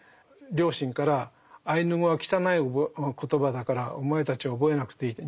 両親から「アイヌ語は汚い言葉だからお前たちは覚えなくていい。